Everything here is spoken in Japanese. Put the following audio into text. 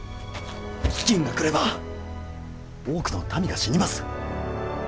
飢饉が来れば多くの民が死にます。